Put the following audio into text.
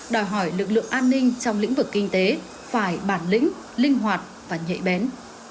đòi hỏi lực lượng an ninh trong lĩnh vực kinh tế phải bản lĩnh linh hoạt và nhạy bén